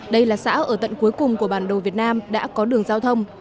đây là xã ở tận cuối cùng của bản đồ việt nam đã có đường giao thông